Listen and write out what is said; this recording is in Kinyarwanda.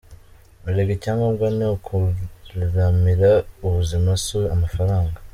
Erega icyangombwa ni ukuramira ubuzima si amafaranga”.